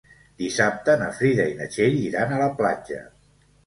Dissabte na Frida i na Txell iran a la platja.